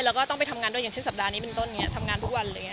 แล้วก็ต้องไปทำงานด้วยอย่างเช่นสัปดาห์นี้เป็นต้นทำงานทุกวัน